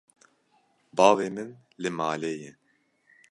Bavê min li malê ye.